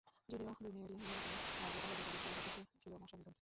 যদিও দুই মেয়রেরই নির্বাচনের আগে অগ্রাধিকারের তালিকার শীর্ষে ছিল মশা নিধন।